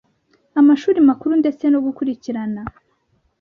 amashuri makuru ndetse no gukurikirana